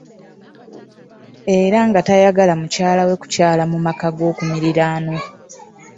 Era nga tayagala mukyala we kukyala mu maka g'okumirirwano.